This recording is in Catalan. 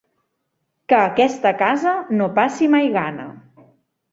Que aquesta casa no passi mai gana.